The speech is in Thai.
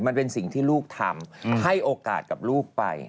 มันเป็นสิ่งที่ลูกทำให้โอกาสกับลูกไป